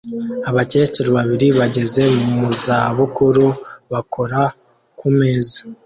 Abakecuru babiri bageze mu za bukuru bakora ku meza